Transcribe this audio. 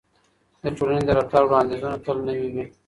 د ټولنې د رفتار وړاندیزونه تل نوي وي.